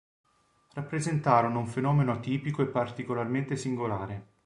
Rappresentarono un fenomeno atipico e particolarmente singolare.